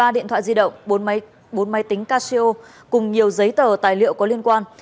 ba điện thoại di động bốn máy tính casio cùng nhiều giấy tờ tài liệu có liên quan